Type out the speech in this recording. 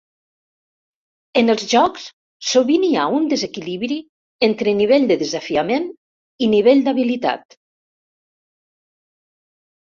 En els jocs sovint hi ha un desequilibri entre nivell de desafiament i nivell d'habilitat.